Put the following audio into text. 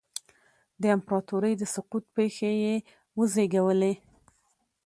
د امپراتورۍ د سقوط پېښې یې وزېږولې